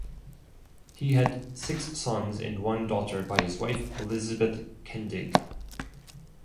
He had six sons and one daughter by his wife Elizabeth Kendig.